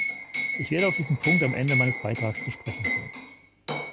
Ich werde auf diesen Punkt am Ende meines Beitrags zu sprechen kommen.